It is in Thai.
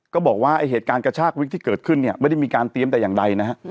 ก็บอกว่าไอ้เหตุการณ์กระชากวิกที่เกิดขึ้นเนี่ยไม่ได้มีการเตรียมแต่อย่างใดนะฮะ